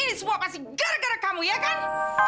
ini semua kasih gara gara kamu ya kan